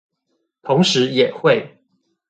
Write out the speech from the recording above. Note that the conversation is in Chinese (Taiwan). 同時也會